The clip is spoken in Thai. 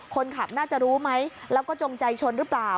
คนขับน่าจะรู้ไหมแล้วก็จงใจชนหรือเปล่า